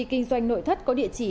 kinh doanh nội thất có địa chỉ